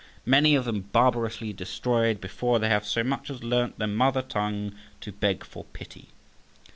many of them barbarously destroyed before they have so much as learnt their mother tongue to beg for pity.